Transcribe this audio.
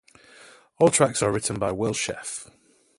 All tracks are written by Will Sheff.